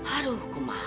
aduh kemah budak teh